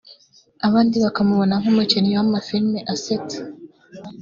abandi bakamubona nk’umukinnyi w’amafilimi asetsa